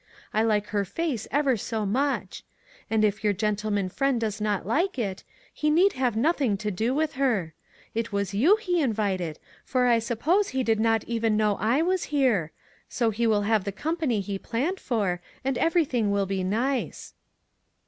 I like her face ever so much. And if your gentleman friend does not like it, he need have nothing to do with her. It .was you he invited, for I suppose lie did not even know I was here ; so he will have the company he planned for, and everything will be nice."